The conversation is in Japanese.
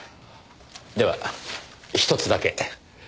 ではひとつだけ。